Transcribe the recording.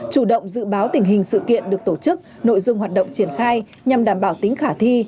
chủ động dự báo tình hình sự kiện được tổ chức nội dung hoạt động triển khai nhằm đảm bảo tính khả thi